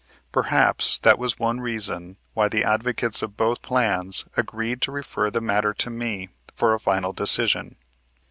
Perhaps that was one reason why the advocates of both plans agreed to refer the matter to me for a final decision.